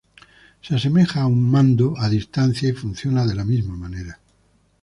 Se asemeja a un mando a distancia y funciona de la misma manera.